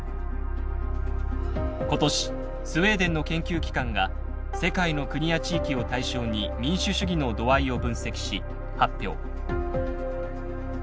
今年スウェーデンの研究機関が世界の国や地域を対象に民主主義の度合いを分析し発表。